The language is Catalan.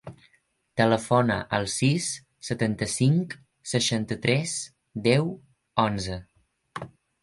Telefona al sis, setanta-cinc, seixanta-tres, deu, onze.